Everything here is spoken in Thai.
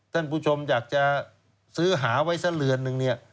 ท่านผู้ชมอยากจะซื้อหาไว้ซะเรือนนึงเนี่ย